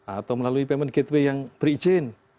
atau melalui payment gateway yang berizin